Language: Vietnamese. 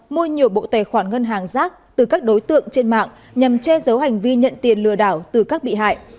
mua nhiều bộ tài khoản ngân hàng rác từ các đối tượng trên mạng nhằm che giấu hành vi nhận tiền lừa đảo từ các bị hại